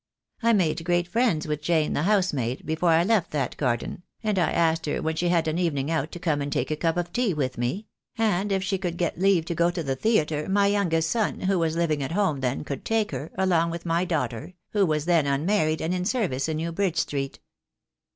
I made great friends with Jane, the housemaid, before I left that garden, and I asked her when she had an evening out to come and take a cup of tea with me; and if she could get leave to go to the theatre, my youngest son, who was living at home then, could take her, along with my daughter, who was then unmarried and in service in New Bridge Street.